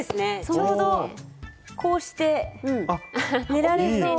ちょうどこうして寝られそう。